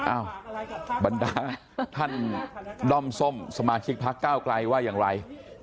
บรรดาท่านด้อมส้มสมาชิกพักเก้าไกลว่าอย่างไร